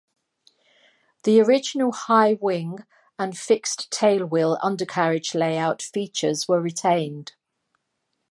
The original high-wing and fixed tailwheel undercarriage layout features were retained.